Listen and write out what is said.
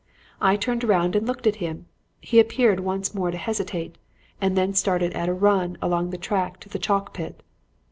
I turned round and looked at him, he appeared once more to hesitate, and then started at a run along the track to the chalk pit.